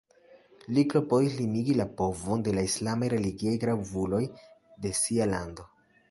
Li klopodis limigi la povon de la islamaj religiaj gravuloj de sia lando.